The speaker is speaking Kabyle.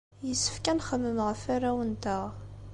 Yessefk ad nxemmem ɣef warraw-nteɣ.